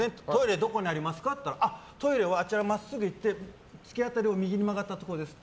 どこにありますかって言ったらトイレはあちらを真っすぐ行って突き当たり右に曲がったところですって。